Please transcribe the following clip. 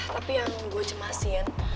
tapi yang gue cemasin